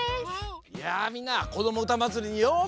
いやみんな「こどもうたまつり」にようこそ。